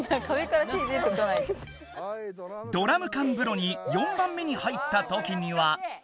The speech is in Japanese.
ドラム缶風呂に４番目に入ったときには。